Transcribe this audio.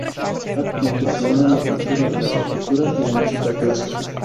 Ha incursionado en la pintura, la escultura y la música clásica.